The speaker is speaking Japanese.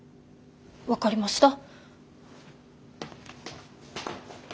分かりました。